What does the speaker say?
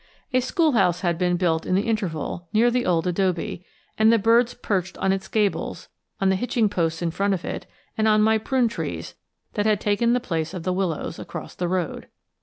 A schoolhouse had been built in the interval, near the old adobe, and the birds perched on its gables, on the hitching posts in front of it, and on my prune trees, that had taken the place of the willows, across the road.